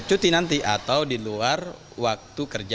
cuti nanti atau di luar waktu kerja